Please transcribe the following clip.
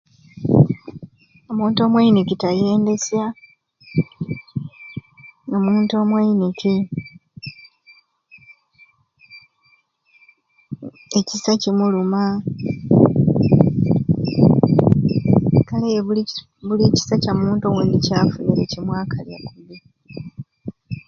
Omuntu omweiniki taendesya omuntu omweiniki ekisai kimuluma kale ye buli buli kisai kyamuntu owondi kyafunire kimwakalya kubi